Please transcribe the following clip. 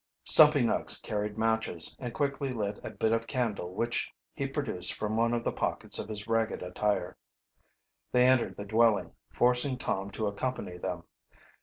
Stumpy Nuggs carried matches, and quickly lit a bit of candle which he produced from one of the pockets of his ragged attire. They entered the dwelling, forcing Tom to accompany them.